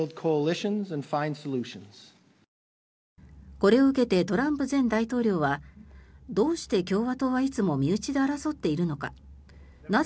これを受けてトランプ前大統領はどうして共和党はいつも身内で争っているのかなぜ